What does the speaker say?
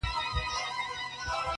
دا خو فرښته وه فرښته څنګ ترهګره وه